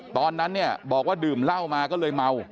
ตอนนั้นเนี่ยบอกว่าดื่มเหล้ามาก็เลยเมา